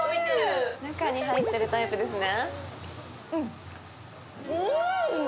中に入ってるタイプですね。